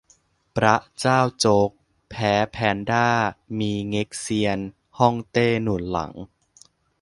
บร๊ะเจ้าโจ๊ก แพ้ แพนด้า มี เง็กเซียนฮ่องเต้หนุนหลัง